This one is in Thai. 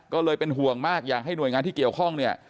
ก็เลยเป็นห่วงมากอยากให้หน่วยงานที่เกี่ยวข้องเนี่ย